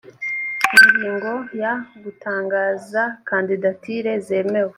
ingingo ya gutangaza kandidatire zemewe